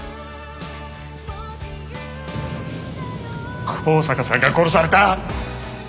香坂さんが殺された。